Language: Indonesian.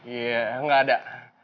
iya gak ada